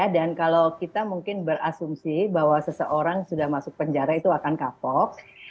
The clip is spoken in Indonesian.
dan kalau kita mungkin berasumsi bahwa seseorang sudah masuk penjara itu akan kapok